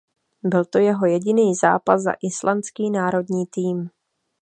Byl to jeho jediný zápas za islandský národní tým.